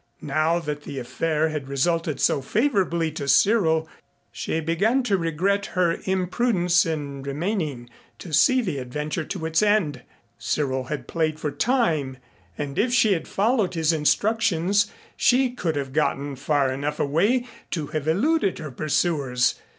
Now that the affair had resulted so favorably to Cyril she began to regret her imprudence in remaining to see the adventure to its end. Cyril had played for time, and if she had followed his instructions she could have gotten far enough away to have eluded her pursuers.